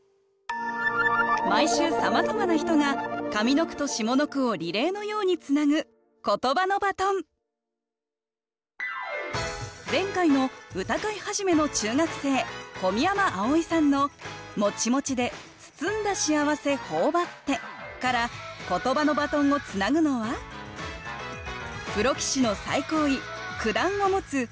毎週さまざまな人が上の句と下の句をリレーのようにつなぐ前回の歌会始の中学生小宮山碧生さんの「もちもちでつつんだ幸せほおばって」からことばのバトンをつなぐのはプロ棋士の最高位九段を持つ先崎学さん。